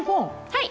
はい。